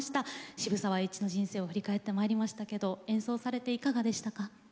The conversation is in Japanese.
渋沢栄一の人生を振り返ってまいりましたけど演奏されていかがでしたか？